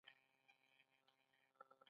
خو رښتیا ستړی شوی یم.